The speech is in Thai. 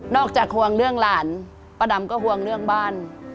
จากห่วงเรื่องหลานป้าดำก็ห่วงเรื่องบ้าน